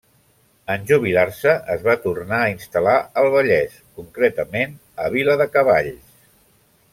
En jubilar-se es va tornar a instal·lar al Vallès, concretament a Viladecavalls.